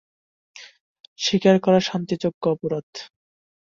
শিকার করা শান্তিযোগ্য অপরাধ।